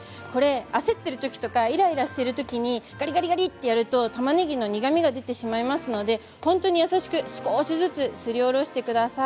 焦っているときとかイライラしているときにがりがりとやるとたまねぎの苦みが出てしまいますので、本当に優しく少しずつすりおろしてください。